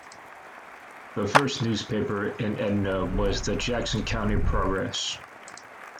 The first newspaper in Edna was the Jackson County Progress.